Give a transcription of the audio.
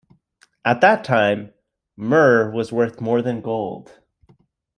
At that time, myrrh was worth more than gold.